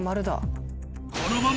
このまま